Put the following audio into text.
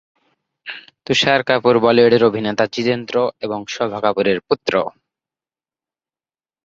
তুষার কাপুর বলিউড এর অভিনেতা জিতেন্দ্র এবং শোভা কাপুরের পুত্র।